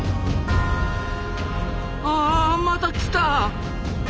あまた来た！